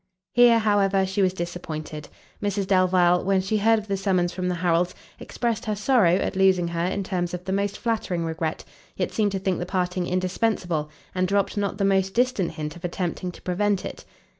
Here, however, she was disappointed; Mrs Delvile, when she heard of the summons from the Harrels, expressed her sorrow at losing her in terms of the most flattering regret, yet seemed to think the parting indispensable, and dropt not the most distant hint of attempting to prevent it.